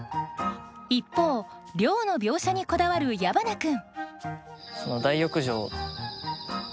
一方寮の描写にこだわる矢花君。